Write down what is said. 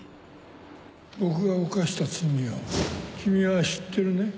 僕が犯した罪を君は知ってるね